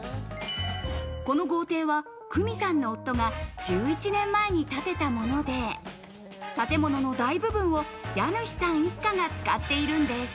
この豪邸は玖美さんの夫が１１年前に建てたもので、建物の大部分を家主さん一家が使っているんです。